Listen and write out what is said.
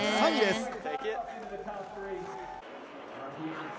３位です。